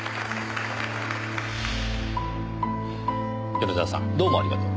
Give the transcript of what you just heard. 米沢さんどうもありがとう。